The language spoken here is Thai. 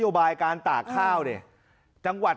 โดนแดดเข้าไปอีกข้าวมันก็แห้งเร็ว